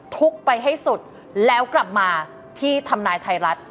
ทุกข์ไปให้สุดแล้วกลับมาที่ทำนายไทยรัฐ